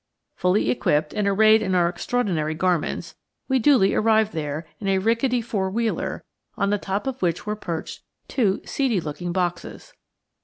Fully equipped, and arrayed in our extraordinary garments, we duly arrived there, in a rickety four wheeler, on the top of which were perched two seedy looking boxes.